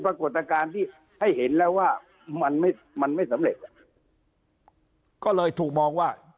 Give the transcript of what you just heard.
ปรากฏการณ์ที่ให้เห็นแล้วว่ามันไม่มันไม่สำเร็จก็เลยถูกมองว่า